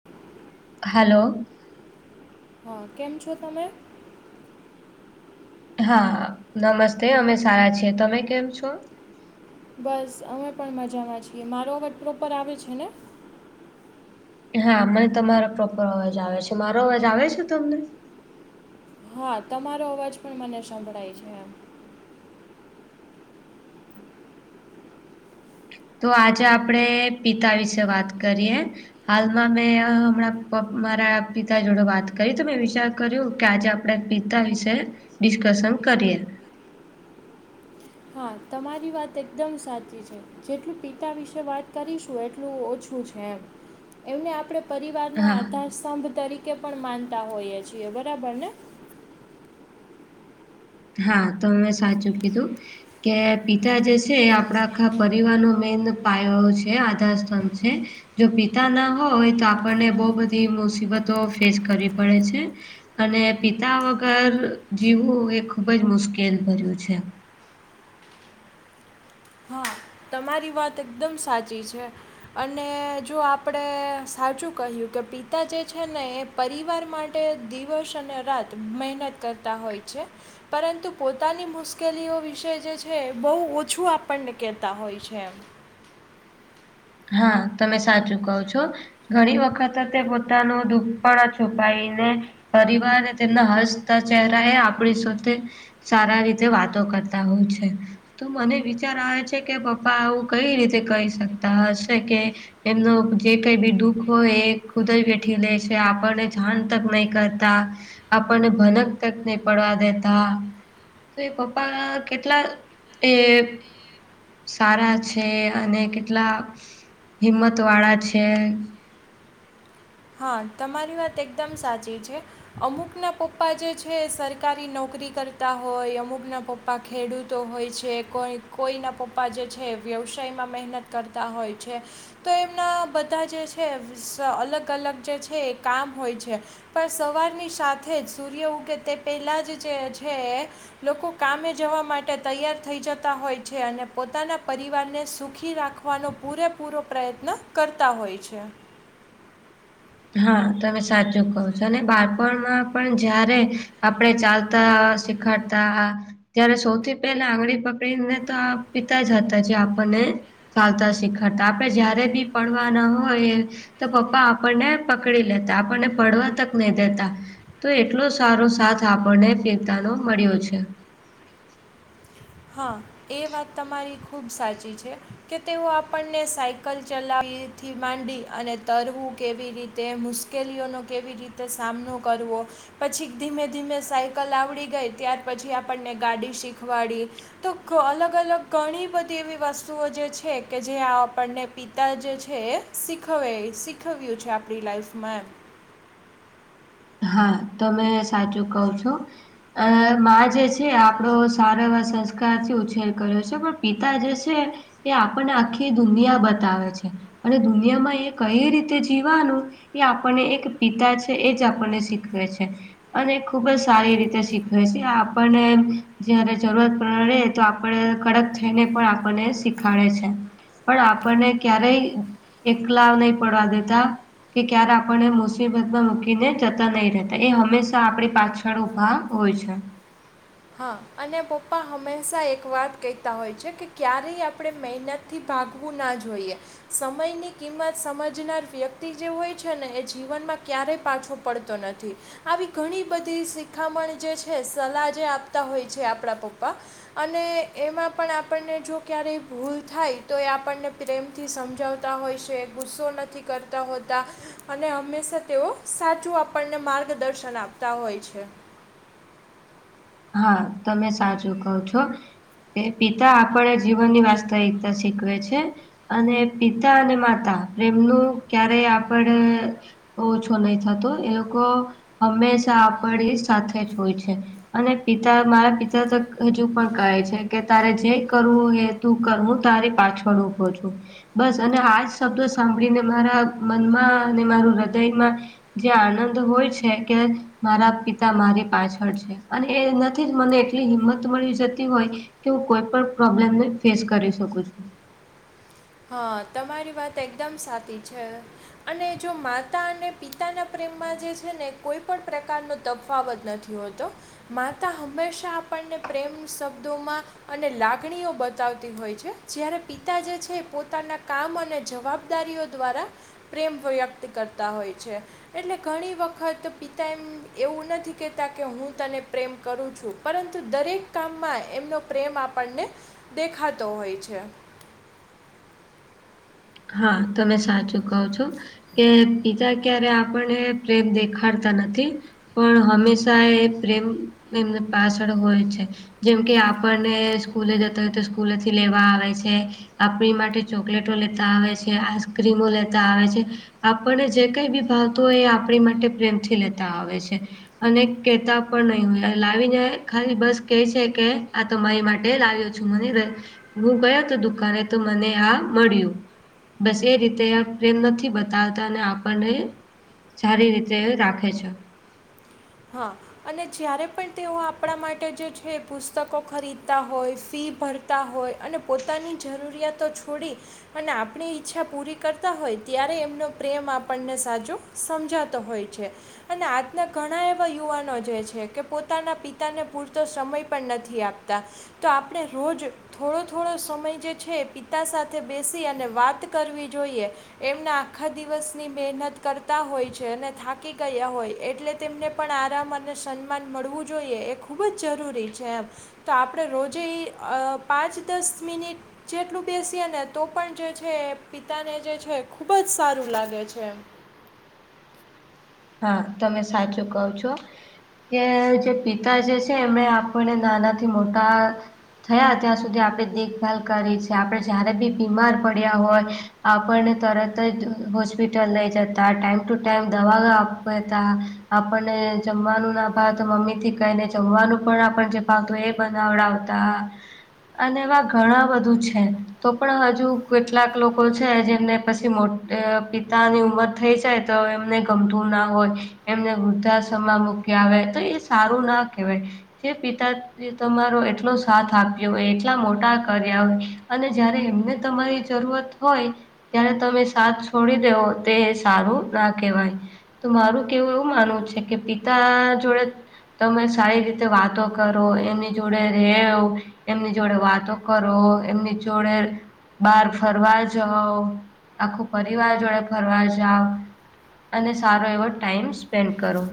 [inaudible] હાલો. હા કેમ છો તમે? હા નમસ્તે અમે સારા છીએ. તમે કેમ છો. બસ, અમે પણ મજામાં છીએ. મારો અવાજ પ્રોપર આવે છે ને? હા, મને તમારો અવાજ પ્રોપર આવે છે. મારો અવાજ તમને આવે છે? હા, તમારો અવાજ પણ મને સંભળાય છે. તો આજે આપણે પિતા વિશે વાત કરીએ. હાલમાં મેં હમણાં મારા પિતા સાથે વાત કરી તો મેં વિચાર કર્યો કે આજે આપણે આપણે પિતા છે ડિસ્કસન કરી એ. હા તમારી વાત એકદમ સાચી છે. જેટલું પિતા વિશે વાત કરીએ એટલું ઓછું છે. એમ એમણે આપણે પરિવારનો હા આધારસ્તંભ તરીકે પણ આપણે તેમને માનતા હોઈએ છીએ બરાબર ને? હા તમે સાચું કઘુ. કે પિતા જે છે એ આપણા આખા પરિવારનો મુખ્ય પાયો અને આધારસ્તંભ છે. જો પિતા ન હોય તો આપણને બહુ બધી મુસિબતો ફેસ કરવી પડે છે. અને પિતા વગર જીવવું ખૂબ જ મુશ્કેલભર્યું હોય છે. હા તમારી વાત એકદમ સાચી છે. અને જો આપડે સાચું કહ્યું કે પિતા જે છે ને પરિવાર માટે દિવસ-રાત મહેનત કરતા હોય છે. પરંતુ પોતાની મુશ્કેલીઓ વિશે જે છે બહુ ઓછું આપણને કહેતા હોય છે. હા તમે સાચું કહો છો. ઘણી વખત તેઓ પોતાનું દુઃખ છુપાવીને... પરિવારના તે ના હસતા ચહેરા એ આપણે સાથે સારી રીતે વાતો કરતા હોય છે. તો મને વિચાર આવે છે કે પપ્પા આ બધું કેવી રીતે કરી શકતા હશે કે. એમનુ જે કંઈ પણ દુઃખ હોય એ ખુદયે વઠીલેશે આપણને જાણ તક નહિ કરતાં. આપણને ભનક તક પડવા દેતા. ને પપ્પા કેટલા એ સારા છે અને કેટલા હિંમતવાળા છે. હા, તમારી વાત એકદમ સાચી છે. અમુકના પપ્પા સરકારી નોકરી કરતા હોય અમુકના પપ્પ પપ્પા ખેડૂતો હોય છે, કોઈ કોઈના પપ્પા જે છે વ્યવસાયમાં મહેનત કરતા હોય છે. તો એમના બધા જે છે સ અલગ અલગ જે છે એ કામ હોય છે. પણ સવારની સાથે જ સૂર્ય ઉગે તે પહેલા જ જે છે. લોકો કામે જવા માટે તૈયાર થઈ જતા હોય છે અને પોતાના પરિવારને સુખી રાખ ખવાનો પૂરેપૂરો પ્રયત્ન કરતા હોય છે. હા તમે સાચું કહો છો અને બાળપણમાં પણ જયારે આપડ ચાલતા ખાતા ત્યારે સૌથી પહેલા આંગળી પકડીને તો આ પિતા જ હતા જે આપણને ચાલતા શીખરતા આપડે જયારે પણ પડવાના હોય તો પપ્પા આપણને પકડી લેતા આપણને પડવા તક નહી દેતા. તો એટલો સારો સાથ આપણને પીતાનો મળ્યો છે. હા એ વાત તમારી ખૂબ સાચી છે. કે તેઓ આપણને સાયકલ ચલાવવાથી માંડી અને તરવું કેવી રીતે મુશ્કેલીઓનો કેવી રીતે સામનો કરવો. પછી ધીમે ધીમે સાયકલ આવડી ગઈ ત્યાર પછી આપણને ગાડી શીખવાડી. તો અલગ અલગ ઘણી બધી એવી વસ્તુઓ જે છે કે જે આપણને પિતા જે છે એ શીખવ્યું છે આપણી લાઈફમાં. હા તમે સાચું કહો છો. મા જે છે આપણા સારા એવા સંસ્કારથી ઉછેર કર્યો છે પણ પિતા જે છે એ આપણને આખી દુનિયા બતાવે છે અને દુનિયામાં એ કઈ રીતે જીવવાનું એ આપણને એક પિતા છે એ જ આપણને શીખવે છે. અને ખુબ જ સારી રીતે શીખવે છે આપણને જયારે જરૂરત પડે તો આપણને કડક થઈને પણ આપણને શીખાડે છે પણ આપણને ક્યારેય એકલા નહી પડવા દેતા કે ક્યારે આપણને મુસીબતમાં મૂકીને જતા નથી રહેતા એ હંમેશા આપણી પાછળ ઊભા હોય છે. હા અને પપ્પા હંમેશા એક વાત કહેતા હોય છે કે ક્યારેય આપણે મહેનત થી ભાગવું ના જોઈએ. સમય ની કિંમત સમજનાર વ્યક્તિ જે હોય છે ને એ જીવનમાં ક્યારે પાછો પડતો નથી આવી ઘણી બધી શિખામણ જે છે સલાહ જે આપ પતા હોય છે આપણા પપ્પા. અને એમાં પણ આપણાથી જો ક્યારેય ભૂલ થાય તો એ આપણને પ્રેમથી સમજાવતા હોય છે ગુસ્સો નથી કરતા હોતા. અને હંમેશા તેઓ સાચું આપણને માર્ગદર્શન આપતા હોય છે. હા તમે સાચું કહો છો. પિતા આપણને જીવનની વાસ્તવિકતા શીખવે છે. અને પિતા અને માતા પ્રેમનું ક્યારે આપણને ઓછો નથી થતો એ લોકો હંમેશા આપડી સાથે જ હોય છે. અને મારા પિતા તો હજુ પણ કહે છે કે તારે જે કરવું એ તું કર હું તારી પાછળ ઉભો છું. બસ અને આજ શબ્દો સાંભળીને મારા મનમાં અને મારા હૃદયમાં જે આનંદ હોય છે કે મારા પિતા મારી પાછળ છે. અને એ નથી જ મને એટલી હિંમત મળી જતી હોય કે હું કોઈ પણ પ્રોબ્લેમ ને ફેસ કરી શકું છું. હા તમારી વાત એકદમ સાચી છે. અને જો માતા અને પિતાના પ્રેમમાં જે છે ને કોઈ પણ પ્રકારનો તફાવત નથી. માતા હંમેશા આપણને પ્રેમભર્યાં શબ્દોમાં અને લાગણીઓ બતાવતી હોય છે જ્યારે પિતા જે છે પોતાના કામ અને જવાબદારીઓ દ્વારા પ્રેમ વ્યક્ત કરતા હોય છે. એટલે ઘણી વખત પિતા એવું નથી કેહેતા કે હું તને પ્રેમ કરું છું પરંતુ દરેક કામમાં એમનો પ્રેમ આપણને દેખાતો હોય છે. હા તમે સાચું કહો છો. કે બીજા ક્યારે આપણને પ્રેમ દેખાડતા નથી. પણ હંમેશા એ પ્રેમ એમને પાછળ હોય છે, જેમ કે, આપણને સ્કૂલે જતા હોય તો સ્કૂલેથી લેવા આવે છે. આપણી માટે ચોકલેટો લેતા આવે છે, આઈસક્રીમો લેતા આવે છે. આપણને જે કંઈભી ભાવતું હોય એ આપણી માટે પ્રેમથી લેતા આવે છે, અને કેતા પણ નહીં હોય લાવીને ખાલી બસ કે છે, કે તમારી માટે લાવ્યો છું, મને હું ગયો હતો દુકાનેતો મને આ મળ્યું. બસ એ રીતે પ્રેમ નથી બતાવતા અને આપણને, સારી રીતે રાખે છે. હા, અને જ્યારે પણ તેઓ આપણા માટે જે છે, પુસ્તકો ખરીદતા હોય ફી ભરતા. તે હોય અને પોતાની જરૂરિયાતો છોડી, અને આપણે ઈચ્છા પૂરી કરતા હોય ત્યારે એમનો પ્રેમ આપણને સાચો. સમજાતો હોય છે, અને આજના ઘણા એ યુવાનો જે છે, કે પોતાના પિતાને પૂરતો સમય પણ નથી આપતા. તો આપણે રોજ, થોડો થોડો સમયજે છે, એ પિતા સાથે બેસી અને વાત કરવી જોઈએ. એમના આખા દિવસની મહેનત કરતા હોય છે, અને થાકી ગયા હોય એટલે તેમને. પણ આરામ અને સન્માન મળવું જોઈએ એ ખૂબ જ જરૂરી છે, એમ. તો આપણે રોજે પાંચ દસ મિનિટ, જેટલું બેસીએ નેતો પણ જે છે, એ પિતાને જે છે, ખૂબ જ સારું લાગે છે. હા, તમે સાચું કોવ છો. કેજે પિતા જે છે, એમને આપણને નાના થી મોટા. થયા ત્યાં સુધી આપણે દેખભાલ કરી છે, આપણે જયારે ભી બીમાર પડ્યા હોય. આપણને તરત જ હોસ્પિટલ લઈ જતા ટાઈમટુ ટાઈમ દવા લાવ. ત આપણને જમવાનુંના ભાવ તો મમ્મીથી કંઈને જમવાનું પણ આપણને, પાગવે બનાવડાવતા, અને એવા ઘણા બધું છે, તો પણ હજુ કેટલાક લોકો છે, જેમને પછી મોટું પિતાની ઉમર થઈ જાય તો એમને ગમતું. ના હોય એમને વૃદ્ધાશ્રમાં મૂકયા આવે તોએ સારું ના કહેવાય, જે પિતા એ તમારો એટલો સાથ આપ્યો હોય, એટલા મોટા કર્યા હોય. અને જયારે એમને તમારી જરૂરત હોય, ત્યારે તમે સાથ છોડી દેવો તે સારું ના કહેવાય. તો મારું કેવું એવું માનવું છે, કે પિતા જોડે. તમે સારી રીતે વાતો કરો એની જોડે રેહો. એમની જોડે વાતો કરો એમની જોડે. બાર ફરવા જાવ આખો પરિવાર જોડે ફરવા જાઓ. અને સારો એવો ટાઈમ સ્પેન્ડ કરો,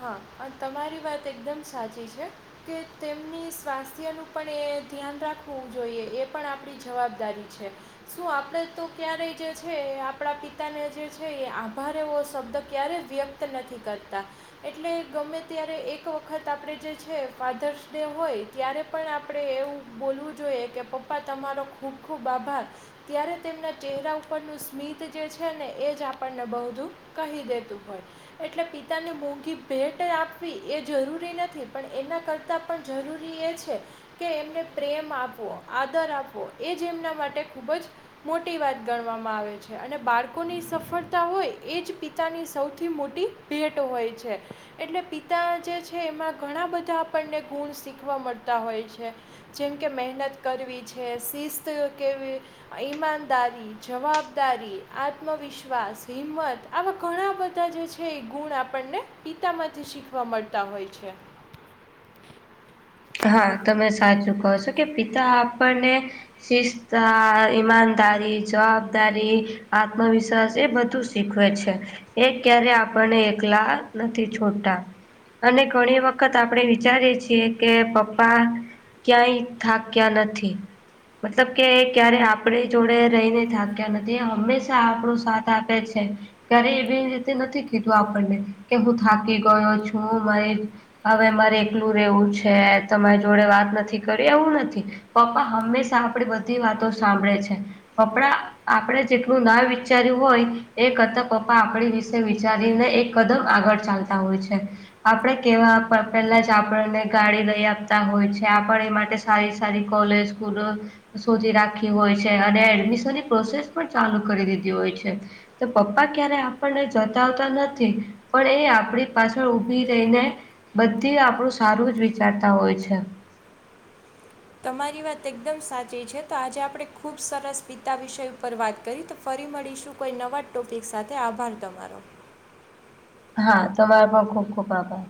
હા, તમારી વાત એકદમ સાચી છે. કે તેમની સ્વાસ્થ્યનું પણ એ ધ્યાન રાખવું જોઈએ, એ પણ આપણી જવાબદારી છે. શું આપણે તો ક્યારેય જે છે, આપણા પિતાને જે છે, એ આભાર એવો શબ્દ ક્યારે વ્યક્ત. નથી કરતા, એટલે ગમે ત્યારે એક વખત આપણે જે છે, ફાધર્સ ડે હોય ત્યારે. પણ આપણે એવું બોલવું જોઈએ કે પપ્પા તમારો ખૂબ ખૂબ આભાર, ત્યારે તેમના ચહેરા ઉપરનું સ્મિત જે છે, ને એજ આપણને બહુધું, કહી દેતું હોય એટલે પિતાની ભૂમિકા. કે ભેટ આપવી એ જરૂરી નથી પણ એના કરતાં પણ જરૂરી એ છે- કે એમને પ્રેમ આપવો, આદર આપવો એજ એમના માટે ખૂબ જ- મોટી વાત ગણવામાં આવે છે, અને બાળકોની સફળતા હોય એજ પિતાની સૌથી મોટી. ભેટ હોય છે, એટલે પિતા જે છે એમાં ઘણા બધા આપણને ગુણ શીખવા મળતા હોય છે. જેમ કે મહેનત કરવી છે શિસ્ત કેવી ઈમાનદારી જવાબદારી આત્મવિશ્વાસ હિંમત આવા ઘણા બધા જે છે એ ગુણ આપણને પિતામાંથી શીખવા મળતા હોય છે. હા તમે સાચું કહો છો કે પિતા આપણને શિસ્તા ઈમાનદારી જવાબદારી આત્મવિશ્વાસ એ બધું શીખવે છે એ ક્યારે આપણને એકલા નથી છોડતા અને ઘણી વખત આપણે વિચારીએ છીએ. કે પપ્પા ક્યાંય થાક્યા નથી. મતલબ કે ક્યારે આપણી જોડે રહીને થાક્યા નથી એ હંમેશા આપણો સાથ આપે છે. ઘરે એવીવી રીતે નથી કીધું આપણને કે હું થાકી ગયો છું. મારી હવે મારે એકલું રહેવું છે તમે જોડે વાત નથી કરી એવું નથી. પપ્પા હંમેશા આપડી બધી વાતો સાંભળે છે કપડા આપણે જેટલું ના વિચાર્યું હોય એ કરતા પપ્પા આપડી વિશે વિચારીને એક કદમ આગળ ચાલતા હોય છે. આપણે કેવા પેલા જ આપણને ગાડી લઈ આપતા હોય છે આ એ માટે સારી સારી કોલેજ સ્કૂલો શોધી રાખી હોય છે અને એડમિશનની પ્રોસેસ પણ ચાલુ કરી દીધી હોય છે. તો પપ્પા ક્યારે આપણને જતાવતા નથી. પણ એ આપણી પાછળ ઊભી રહીને બધી આપણું સારું જ વિચારતા હોય છે. તમારી વાત એકદમ સાચી છે. તો આજે આપણે ખુબ સરસ પિતા વિષય ઉપર વાત કરી તો ફરી મળીશું કોઈ નવા જ ટોપિક સાથે આભાર તમારો. હા તમારે પણ ખુબ ખુબ આભાર.